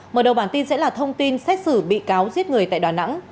mở đầu bản tin sẽ là thông tin xét xử bị cáo giết người tại đà nẵng